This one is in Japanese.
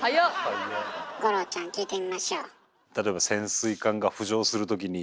五郎ちゃん聞いてみましょう。